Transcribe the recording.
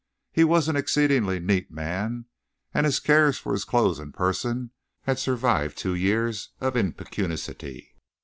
He was an exceedingly neat man, and his care for his clothes and person had survived two years of impecuniosity.